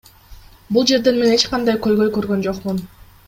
Бул жерден мен эч кандай көйгөй көргөн жокмун.